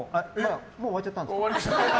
もう終わっちゃったんですか。